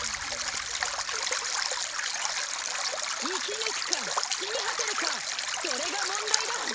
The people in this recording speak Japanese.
生き抜くか死に果てるかそれが問題だ！